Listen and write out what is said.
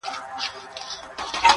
هغه له منځه ولاړ سي.